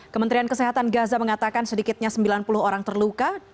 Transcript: kementerian kesehatan gaza mengatakan sedikitnya sembilan puluh orang terluka